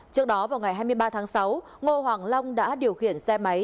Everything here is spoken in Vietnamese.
trước đó vào ngày hai mươi ba tháng sáu ngô hoàng long đã điều khiển xe máy